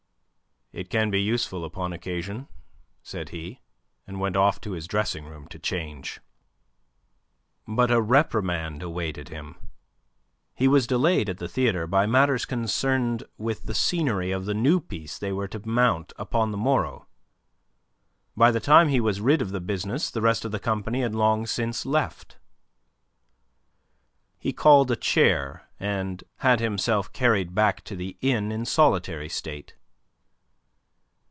"It can be useful upon occasion," said he, and went off to his dressing room to change. But a reprimand awaited him. He was delayed at the theatre by matters concerned with the scenery of the new piece they were to mount upon the morrow. By the time he was rid of the business the rest of the company had long since left. He called a chair and had himself carried back to the inn in solitary state.